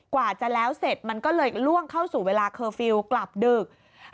กว่าจะแล้วเสร็จมันก็เลยล่วงเข้าสู่เวลาเคอร์ฟิลล์กลับดึก